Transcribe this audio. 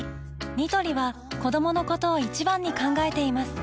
ニトリは子どものことを一番に考えています